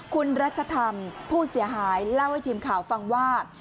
คุณรัชธรรมผู้เสียหายเล่าให้ทีมข่าวฟังว่า